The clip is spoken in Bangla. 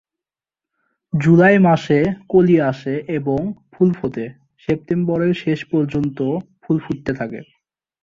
জুলাই মাসে কলি আসে এবং ফুল ফোটা, সেপ্টেম্বরের শেষ পর্যন্ত ফুল ফুটতে থাকে।